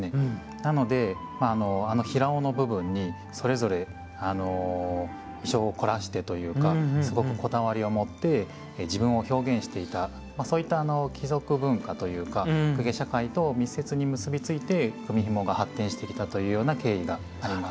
なので平緒の部分にそれぞれ意匠を凝らしてというかすごくこだわりを持って自分を表現していたそういった貴族文化というか公家社会と密接に結び付いて組みひもが発展してきたというような経緯があります。